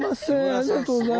ありがとうございます。